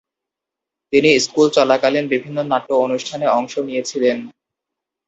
তিনি স্কুল চলাকালীন বিভিন্ন নাট্য অনুষ্ঠানে অংশ নিয়েছিলেন।